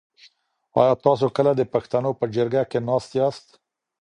آیا تاسو کله د پښتنو په جرګه کي ناست یاست؟